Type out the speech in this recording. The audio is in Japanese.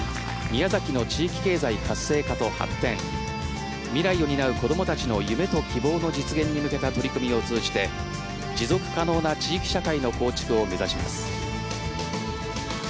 宮崎の地域経済活性化と発展未来を担う子供たちの夢と希望の実現に向けた取り組みを通じて持続可能な地域社会の構築を目指します。